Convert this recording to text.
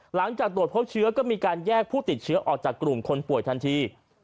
หลังจากตรวจพบเชื้อก็มีการแยกผู้ติดเชื้อออกจากกลุ่มคนป่วยทันที